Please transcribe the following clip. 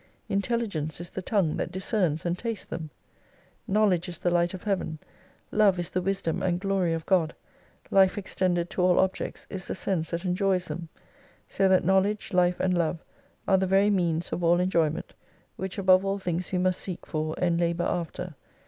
Intelligence is the tongue that discerns and tastes them, 211 Knowledge is the Light of Heaven, Love is the Wisdon: and Glory of God, Life extended to all objects is the sense that enjoys them. So that Knowledge, Life, and Love are the very means of all enjoyment, which above all things we must seek for and labour after.